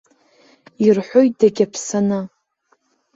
Ирҳәоит дагьаԥсаны.